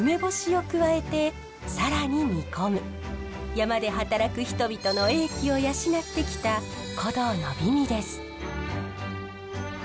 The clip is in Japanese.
山で働く人々の英気を養ってきた古道の美味です。